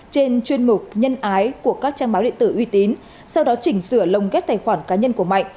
trên chuyên mục nhân ái của các trang báo điện tử uy tín sau đó chỉnh sửa lồng ghép tài khoản cá nhân của mạnh